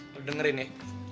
lo dengerin ya